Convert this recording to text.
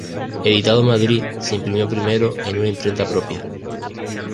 Editado en Madrid, se imprimió primero en una imprenta propia.